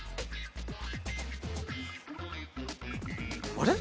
あれ？